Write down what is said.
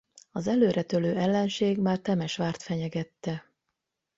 Az előretörő ellenség már Temesvárt fenyegette.